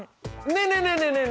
ねえねえねえねえ